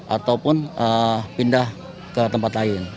ataupun pindah ke tempat lain